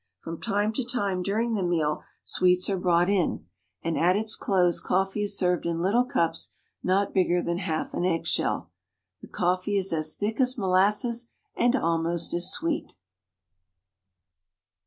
From time to time, during the meal, sweets are brought in ; and at its close coffee is served in little cups not bigger than half an eggshell. The coffee is as thick as molasses and almost as sweet.